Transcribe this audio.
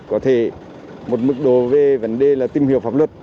có thể một mức độ về vấn đề là tìm hiểu pháp luật